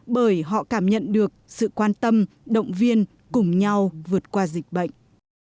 bởi họ cảm nhận được sự quan tâm động viên cùng nhau vượt qua dịch bệnh